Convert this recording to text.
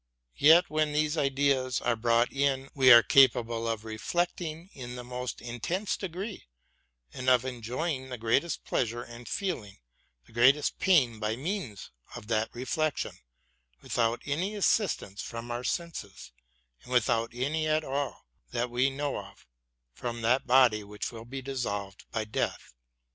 . yet when these ideas are brought in we are capable of reflecting BROWNING AND BUTLER 213 in the most intense degree, and of enjoying the greatest pleasure and feeling the greatest pain by means of that reflection, without any assistance from our senses, and without any at all, that we know of, from that body which will be dissolved by death.